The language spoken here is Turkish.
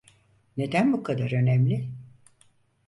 Neden bu kadar önemli?